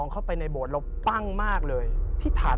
พระพุทธพิบูรณ์ท่านาภิรม